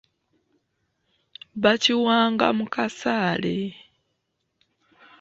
Bakiwanga mu kasaale.